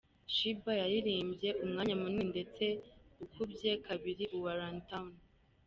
Sheebah yaririmbye umwanya munini ndetse ukubye kabiri uwa Runtown.